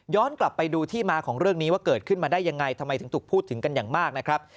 กลับไปดูที่มาของเรื่องนี้ว่าเกิดขึ้นมาได้ยังไงทำไมถึงถูกพูดถึงกันอย่างมากนะครับ